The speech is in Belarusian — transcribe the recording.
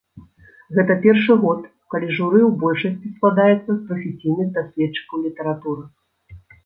Гэта першы год, калі журы ў большасці складаецца з прафесійных даследчыкаў літаратуры.